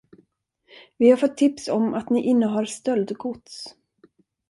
Vi har fått tips om att ni innehar stöldgods.